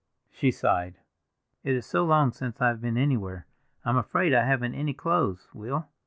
She sighed. "It is so long since I have been anywhere! I'm afraid I haven't any clothes, Will.